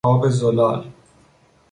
آب زلال